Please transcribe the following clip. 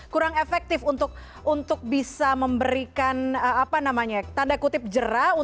kurang efektif untuk bisa memberikan tanda kutip jerah